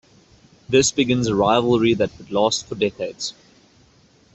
This begins a rivalry that would last for decades.